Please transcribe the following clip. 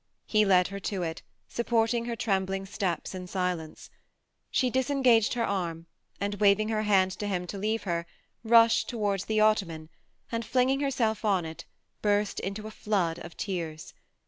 He led her to it, supporting her trembling steps in silence. She disengaged her arm, and^ waving her hand to him to leave her, rushed towards the ottoman, and f inging herself on it, burst into a flood of tears.